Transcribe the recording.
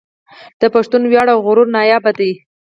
د پښتون وياړ او غرور ناياب دی